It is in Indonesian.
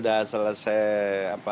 kan saya tidak mengerti nanti lah